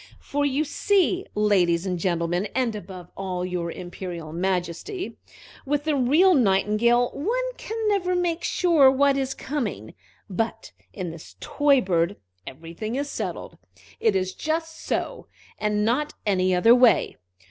"For you see, ladies and gentlemen, and above all, your Imperial Majesty, with the real Nightingale one can never make sure what is coming, but in this toy bird everything is settled. It is just so, and not any other way.